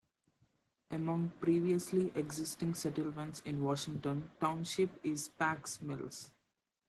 Among previously existing settlements in Washington Township is Pack's Mills.